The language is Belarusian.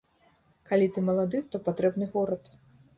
Калі ты малады, то патрэбны горад.